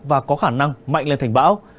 và có khả năng mạnh lên thành bão